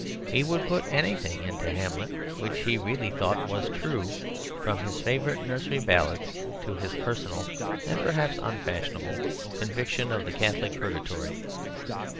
He would put anything into Hamlet which he really thought was true, from his favourite nursery ballads to his personal (and perhaps unfashionable) conviction of the Catholic purgatory.